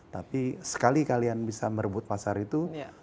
tapi sekali kalian bisa merebut pasar itu